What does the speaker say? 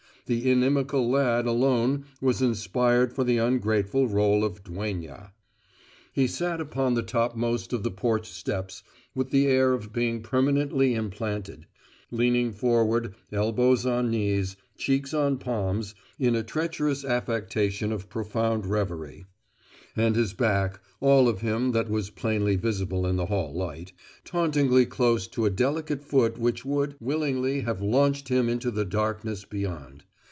The inimical lad alone was inspired for the ungrateful role of duenna. He sat upon the topmost of the porch steps with the air of being permanently implanted; leaning forward, elbows on knees, cheeks on palms, in a treacherous affectation of profound reverie; and his back (all of him that was plainly visible in the hall light) tauntingly close to a delicate foot which would, God wot! willingly have launched him into the darkness beyond.